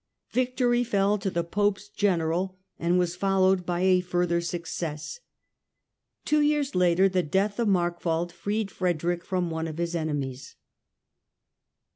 Victory fell to the Pope's general and was followed by a further success. Two years later the death of Markwald freed Frederick from one of his enemies.